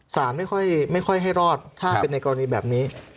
ไม่ค่อยให้รอดถ้าเป็นในกรณีแบบนี้